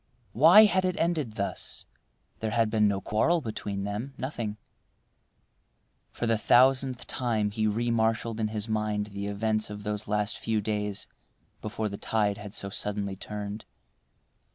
Why had it ended thus? There had been no quarrel between them, nothing— For the thousandth time he remarshalled in his mind the events of those last few days before the tide had so suddenly turned.